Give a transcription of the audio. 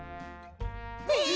えっ！？